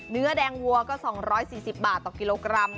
เนื้อแดงวัวก็๒๔๐บาทต่อกิโลกรัม